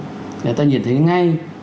người ta nhìn thấy ngay